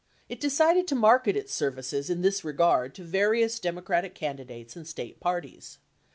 It decided to market its services in this regard to various Democratic candidates and State parties.